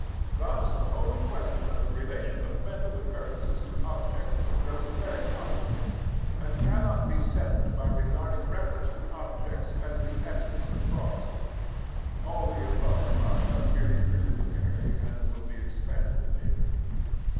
Thus the whole question of the relation of mental occurrences to objects grows very complicated, and cannot be settled by regarding reference to objects as of the essence of thoughts. All the above remarks are merely preliminary, and will be expanded later.